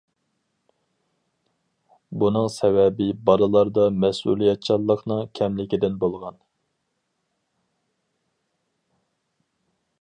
بۇنىڭ سەۋەبى بالىلاردا مەسئۇلىيەتچانلىقنىڭ كەملىكىدىن بولغان.